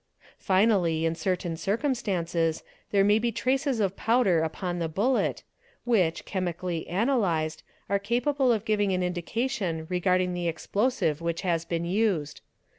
Finally, in certain circumstances, there may be traces < powder upon the bullet, which, chemically analysed, are capable of givin an indication regarding the explosive which has been used.